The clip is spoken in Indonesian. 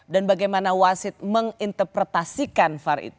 dan bagaimana wasid menginterpretasikan far